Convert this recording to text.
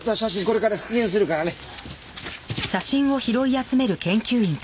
これから復元するからね。